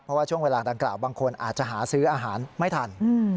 เพราะว่าช่วงเวลาดังกล่าวบางคนอาจจะหาซื้ออาหารไม่ทัน